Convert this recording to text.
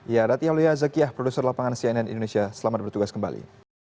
ya rati aulia zakiah produser lapangan cnn indonesia selamat bertugas kembali